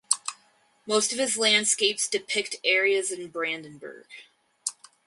Most of his landscapes depict areas in Brandenburg.